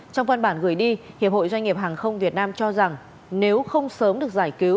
trong văn bản gửi đi hiệp hội doanh nghiệp hàng không việt nam cho rằng nếu không sớm được giải cứu